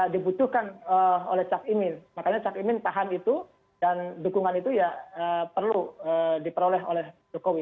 dibutuhkan oleh cak imin makanya cak imin tahan itu dan dukungan itu ya perlu diperoleh oleh jokowi